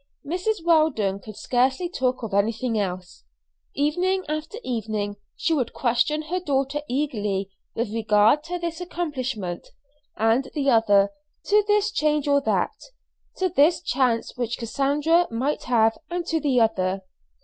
Mrs. Weldon could scarcely talk of anything else. Evening after evening she would question her daughter eagerly with regard to this accomplishment and the other, to this change or that, to this chance which Cassandra might have and to the other.